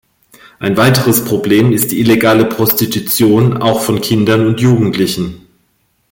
Ein weiteres Problem ist die illegale Prostitution, auch von Kindern und Jugendlichen.